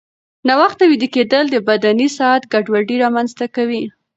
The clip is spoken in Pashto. ناوخته ویده کېدل د بدني ساعت ګډوډي رامنځته کوي.